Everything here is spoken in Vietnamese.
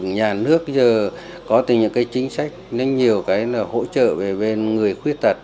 nhà nước giờ có từ những cái chính sách nó nhiều cái là hỗ trợ về bên người khuyết tật